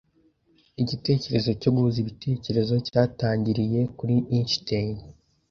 Igitekerezo cyo guhuza ibitekerezo cyatangiriye kuri Einstein.